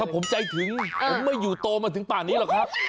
ผมใจถึงผมไม่อยู่โตมาถึงป่านนี้หรอกครับ